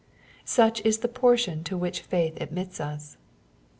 Such is the portion to which faith admits us.